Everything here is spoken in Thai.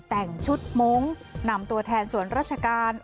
แต่งชุดมงค์นำตัวแทนส่วนราชการ